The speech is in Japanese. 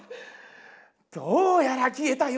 「どうやら消えたようやな。